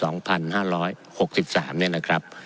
เนี่ยนะครับ